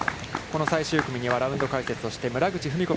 この最終組には、ラウンド解説として村口史子